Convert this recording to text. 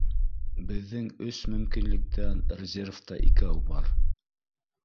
Беҙҙең өс мөмкинлектән резервта икәү бар